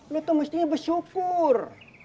lu tuh mestinya bersyukur